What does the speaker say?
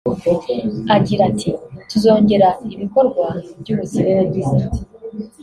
Agira ati ”Tuzongera ibikorwa by’ubuzima